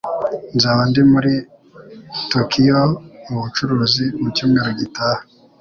Nzaba ndi muri Tokiyo mu bucuruzi mu cyumweru gitaha.